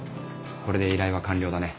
これで依頼は完了だね。